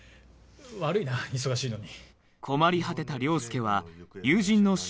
悪いな忙しいのに。